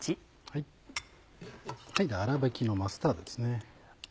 あらびきのマスタードですね。